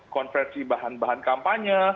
konversi bahan bahan kampanye